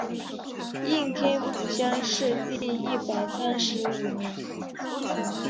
应天府乡试第一百三十五名。